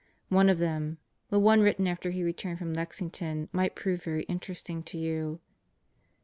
One of them the one written after he returned from Lexington might prove very interesting to you."